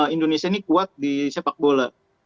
indonesia ini kuat di sepak bola